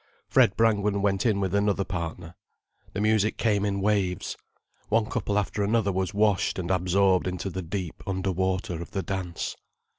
Fred Brangwen went in with another partner. The music came in waves. One couple after another was washed and absorbed into the deep underwater of the dance.